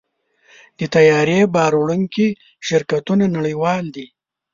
د طیارې بار وړونکي شرکتونه نړیوال دي.